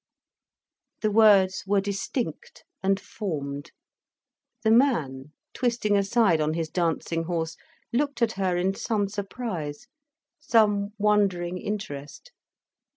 The words were distinct and formed. The man, twisting aside on his dancing horse, looked at her in some surprise, some wondering interest.